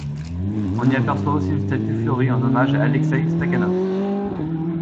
On y aperçoit aussi une statue fleurie en hommage à Alekseï Stakhanov.